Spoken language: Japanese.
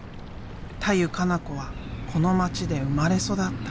田湯加那子はこの町で生まれ育った。